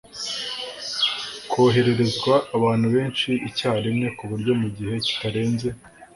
kohererezwa abantu benshi icyarimwe, ku buryo mu gihe kitarenze